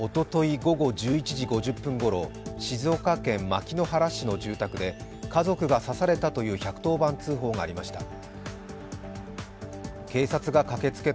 午後１１時５０分ごろ静岡県牧之原市の住宅で家族が刺されたという１１０番通報がありました。